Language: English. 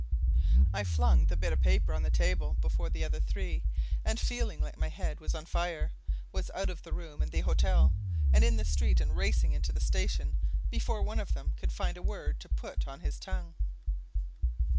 I flung the bit of paper on the table before the other three, and, feeling like my head was on fire, was out of the room and the hotel, and in the street and racing into the station, before one of them could find a word to put on his tongue.